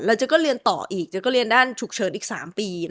เจ๊ก็เรียนต่ออีกเจ๊ก็เรียนด้านฉุกเฉินอีก๓ปี